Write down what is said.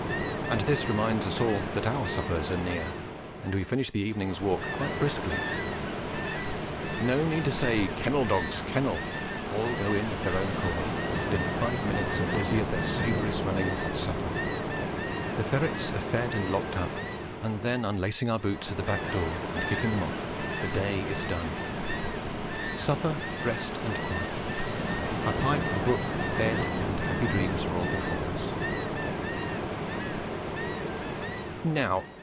And this reminds us all that our suppers are near, and we finish the evening's walk quite briskly. No need to say, "Kennel, dogs, kennel!" All go in of their own accord, and in five minutes are busy at their savoury smelling hot supper. The ferrets are fed and locked up, and then, unlacing our boots at the back door and kicking them off, the day is done. Supper, rest and quiet, a pipe, a book, bed and happy dreams are all before us.